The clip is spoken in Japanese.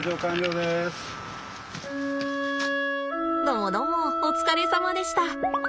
どもどもお疲れさまでした。